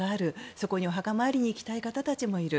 そこにお墓参りに行きたい方たちもいる。